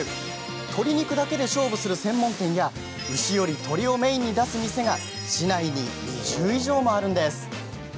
鶏肉だけで勝負する専門店や牛より鶏をメインに出す店が市内に２０以上もあるんです。